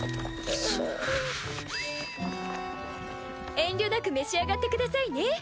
遠慮なく召し上がってくださいね！